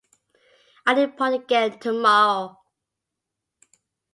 I depart again tomorrow.